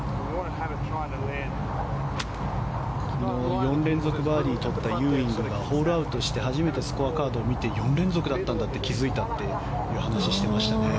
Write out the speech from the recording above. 昨日４連続バーディーをとったユーイングがホールアウトして初めてスコアカードを見て４連続だったんだって気付いたというお話していましたね。